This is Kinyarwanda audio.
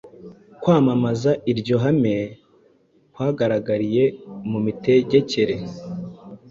Kwamamaza iryo hame kwagaragariye mu mitegekere,